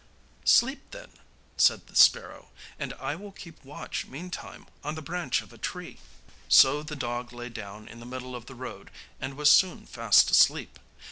'Sleep, then,' said the sparrow, 'and I will keep watch meantime on the branch of a tree.' So the dog lay down in the middle of the road, and was soon fast asleep.